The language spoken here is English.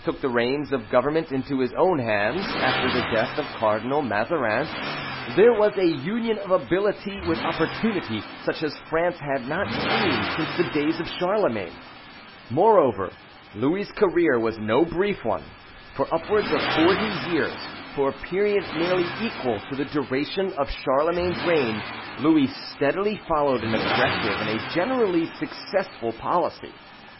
took the reins of government into his own hands, after the death of Cardinal Mazarin, there was a union of ability with opportunity, such as France had not seen since the days of Charlemagne. Moreover, Louis's career was no brief one. For upwards of forty years, for a period nearly equal to the duration of Charlemagne's reign, Louis steadily followed an aggressive and a generally successful policy.